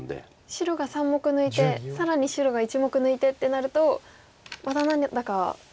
白が３目抜いて更に白が１目抜いてってなるとまた何だか右辺が。